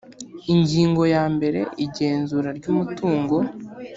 ingingo ya mbere igenzura ry umutungo